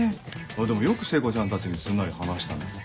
でもよく聖子ちゃんたちにすんなり話したね。